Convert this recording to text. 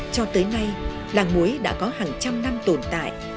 cho tới nay làng muối đã có hàng trăm năm tồn tại